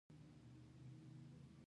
هغه پنځه خويندي لري.